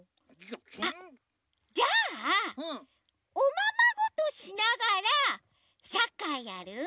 あっじゃあおままごとしながらサッカーやる？